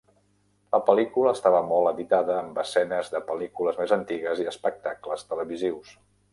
La pel·lícula estava molt editada amb escenes de pel·lícules més antigues i espectacles televisius.